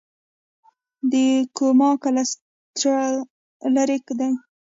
د کوما کلسټر لیرې دی.